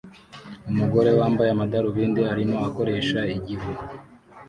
Umugore wambaye amadarubindi arimo akoresha igihu